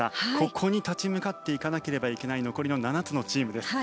ここに立ち向かっていかなければいけない残りの７つのチームです。